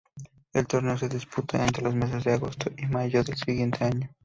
El torneo se disputa entre los meses de agosto y mayo del siguiente año.